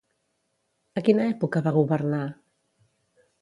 A quina època va governar?